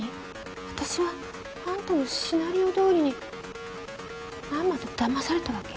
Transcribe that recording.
わたしはあんたのシナリオどおりにまんまとだまされたわけ？